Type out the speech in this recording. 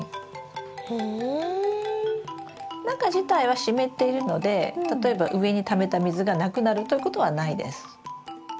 中自体は湿っているので例えば上にためた水がなくなるということはないです。